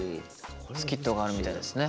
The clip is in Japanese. スキットがあるみたいですね。